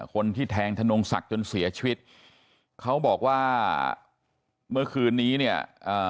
คนที่แทงทนงศักดิ์จนเสียชีวิตเขาบอกว่าเมื่อคืนนี้เนี่ยอ่า